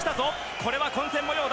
これは混戦模様だ。